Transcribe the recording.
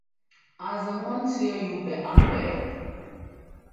A zɛ mɔ́ ńtsẅɛ́ɛ yúu pɛ a ŋkwɛt ?